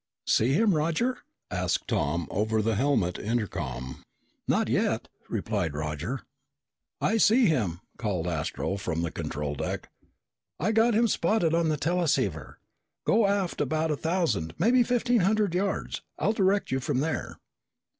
"See him, Roger?" asked Tom over the helmet intercom. "Not yet," replied Roger. "I see him," called Astro from the control deck. "I got him spotted on the teleceiver. Go aft, about a thousand, maybe fifteen hundred yards. I'll direct you from there."